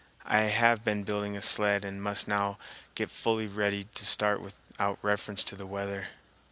I have been building a sled and must now get fully ready to start without reference to the weather.